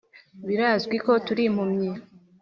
Birazwi ko turi impumyi